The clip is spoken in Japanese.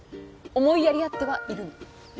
思いやり合ってはいるの。